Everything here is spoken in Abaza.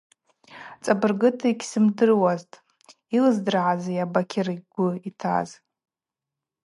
Цӏабыргыта йгьсымдыруазтӏ – йалыздыргӏазйа Бакьыр йгвы йтаз.